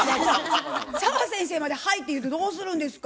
澤先生まで「はい」って言うてどうするんですか。